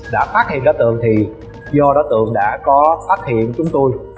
đã phát hiện đối tượng thì do đối tượng đã có phát hiện chúng tôi